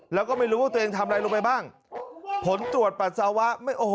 แล้วก็ไม่รู้ว่าตัวเองทำอะไรลงไปบ้างผลตรวจปัสสาวะไม่โอ้โห